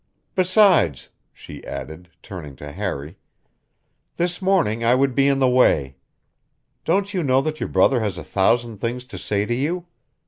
Besides," she added, turning to Harry, "this morning I would be in the way. Don't you know that your brother has a thousand things to say to you?